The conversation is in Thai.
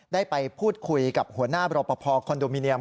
ได้ไปพูดคุยกับหัวหน้าบรปภคอนโดมิเนียม